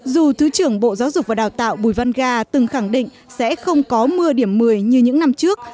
dù thứ trưởng bộ giáo dục và đào tạo bùi văn ga từng khẳng định sẽ không có mưa điểm một mươi như những năm trước